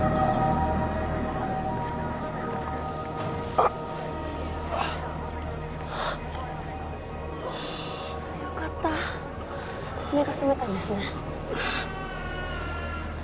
あっあっよかった目が覚めたんですね